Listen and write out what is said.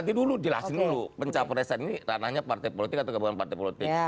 nanti dulu jelasin dulu pencapresan ini ranahnya partai politik atau gabungan partai politik